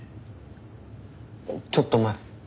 ちょっと前。